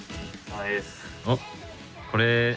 おっ、これ。